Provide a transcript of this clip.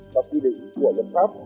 và quy định của lực pháp